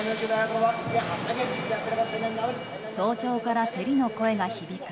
早朝から競りの声が響く